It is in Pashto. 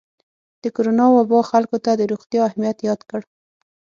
د کرونا وبا خلکو ته د روغتیا اهمیت یاد کړ.